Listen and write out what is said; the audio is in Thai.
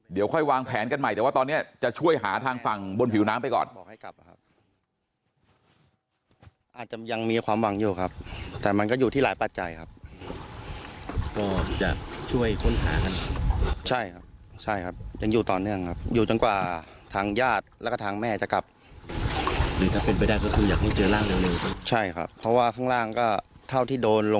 เดี๋ยวค่อยวางแผนกันใหม่แต่ว่าตอนนี้จะช่วยหาทางฝั่งบนผิวน้ำไปก่อน